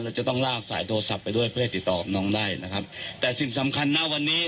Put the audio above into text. จะต้องลากสายโทรศัพท์ไปด้วยเพื่อให้ติดต่อกับน้องได้นะครับแต่สิ่งสำคัญนะวันนี้